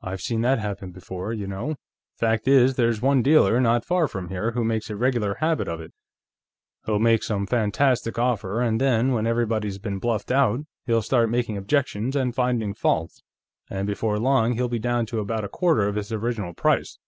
I've seen that happen before, you know. Fact is, there's one dealer, not far from here, who makes a regular habit of it. He'll make some fantastic offer, and then, when everybody's been bluffed out, he'll start making objections and finding faults, and before long he'll be down to about a quarter of his original price."